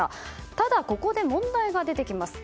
ただ、ここで問題が出てきます。